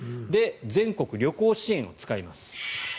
全国旅行支援を使います。